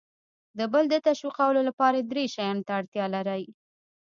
د بل د تشویقولو لپاره درې شیانو ته اړتیا لر ئ :